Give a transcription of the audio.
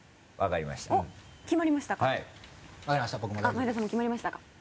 前田さんも決まりましたか。